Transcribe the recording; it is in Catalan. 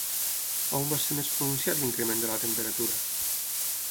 On va ser més pronunciat l'increment de la temperatura?